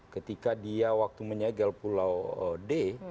ketika dia waktu menyegel pulau d